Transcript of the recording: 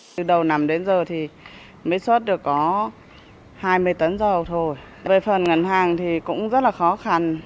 từ đầu nằm đến giờ thì mới xuất được có hai mươi tấn dầu thôi về phần ngân hàng thì cũng rất là khó khăn